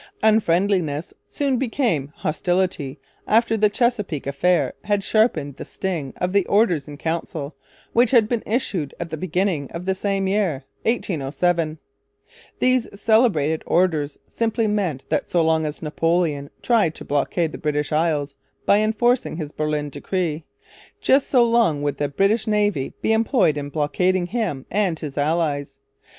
Unfriendliness soon became Hostility after the Chesapeake affair had sharpened the sting of the Orders in Council, which had been issued at the beginning of the same year, 1807. These celebrated Orders simply meant that so long as Napoleon tried to blockade the British Isles by enforcing his Berlin Decree, just so long would the British Navy be employed in blockading him and his allies.